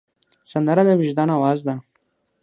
سندره د وجدان آواز ده